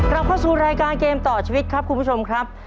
เราเข้าสู่รายการเกมต่อชีวิตครับคุณผู้ชมครับ